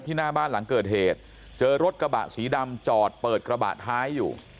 หน้าบ้านหลังเกิดเหตุเจอรถกระบะสีดำจอดเปิดกระบะท้ายอยู่